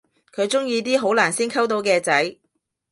佢鍾意啲好難先溝到嘅仔